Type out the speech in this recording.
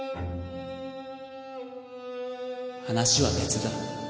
話は別だ。